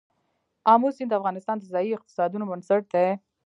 آمو سیند د افغانستان د ځایي اقتصادونو بنسټ دی.